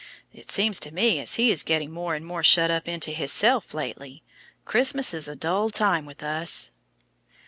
It seems to me as he is getting more and more shut up into hisself lately. Christmas is a dull time with us."